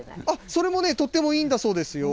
それもとってもいいんだそうですよ。